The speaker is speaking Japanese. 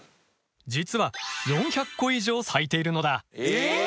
実は４００個以上咲いているのだ。え！？